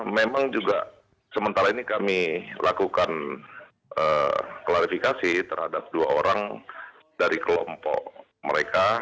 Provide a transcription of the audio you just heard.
memang juga sementara ini kami lakukan klarifikasi terhadap dua orang dari kelompok mereka